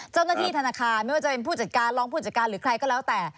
เจ้าหน้าที่ธนาคารไม่ว่าจะเป็นผู้จัดการร้องผู้จัดการหรือใครก็แล้วแต่